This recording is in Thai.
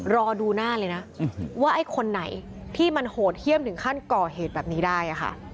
รอดูหน้าเลยนะว่าไอ้คนไหนที่มันโหดเยี่ยมถึงขั้นก่อเหตุแบบนี้ได้ค่ะ